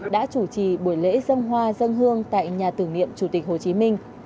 đã chủ trì buổi lễ dân hoa dân hương tại nhà tưởng niệm chủ tịch hồ chí minh